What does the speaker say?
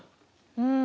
うん。